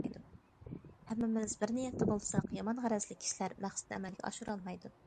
ھەممىمىز بىر نىيەتتە بولساق، يامان غەرەزلىك كىشىلەر مەقسىتىنى ئەمەلگە ئاشۇرالمايدۇ.